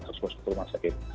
khusus rumah sakit